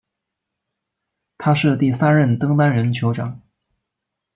他是第三任登丹人酋长。